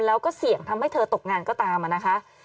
แล้วก็เสี่ยงทำให้เธอตกงานก็ตามนะคะ